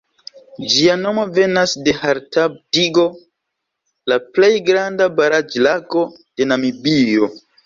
Ĝia nomo venas de Hardap-digo, la plej granda baraĵlago de Namibio.